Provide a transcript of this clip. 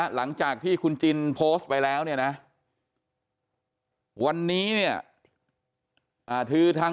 หลังจากที่คุณจินโพสต์ไปแล้วเนี่ยนะวันนี้เนี่ยคือทาง